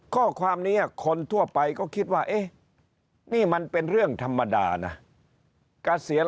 ข้อความนี้คนทั่วไปก็คิดว่าเอ๊ะนี่มันเป็นเรื่องธรรมดานะเกษียณ